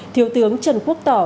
thiếu tướng trần quốc tỏ